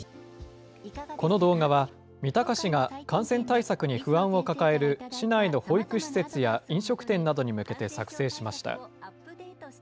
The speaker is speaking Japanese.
この動画は、三鷹市が感染対策に不安を抱える市内の保育施設や飲食店などに向けて作成しました。